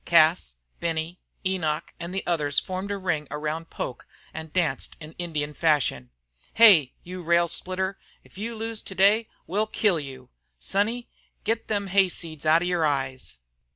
Cas, Benny, Enoch, and the others formed a ring around Poke and danced in Indian fashion. "Hey! you rail splitter, if you lose today we'll kill you!" "Sonny, get them hayseeds out of your eyes!"